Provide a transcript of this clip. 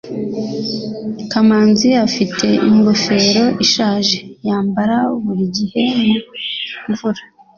kamanzi afite ingofero ishaje yambara buri gihe mu mvura